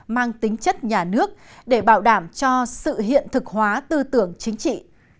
mang tính chất nhà nước để bảo đảm cho sự hiện thực hóa tư tưởng chính trị